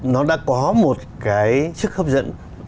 nó đã có một cái sức hấp dẫn